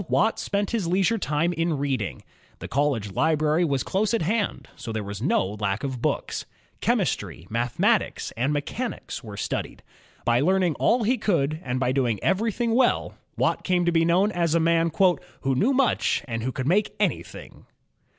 Watt spent his leisure time in reading. The college library was close at hand, so there was no lack of books. Chemistry, mathematics, and mechanics were studied. By learning all he could and by doing everything well. Watt came to be known as a man "who knew much and who could make anything."